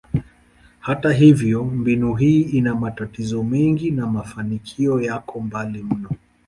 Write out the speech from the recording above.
Hata hivyo, mbinu hii ina matatizo mengi na mafanikio yako mbali mno.